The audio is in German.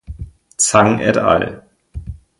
Zhang et al.